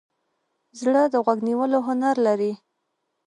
زړه د غوږ نیولو هنر لري.